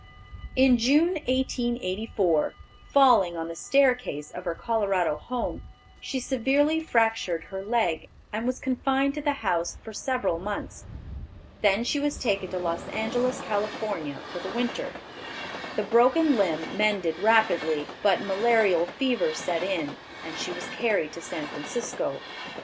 In June, 1884, falling on the staircase of her Colorado home, she severely fractured her leg, and was confined to the house for several months. Then she was taken to Los Angeles, Cal., for the winter. The broken limb mended rapidly, but malarial fever set in, and she was carried to San Francisco.